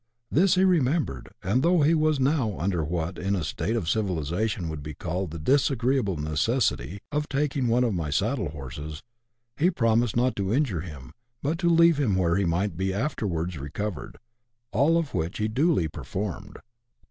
This he remembered, and though he was now under what, in a state of civilization, would be called the " disagreeable necessity " of taking one of my saddle horses, he promised not to injure him, but to leave him where he might be afterwards recovered, all which he duly performed.